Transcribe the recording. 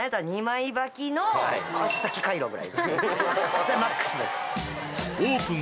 それマックスです。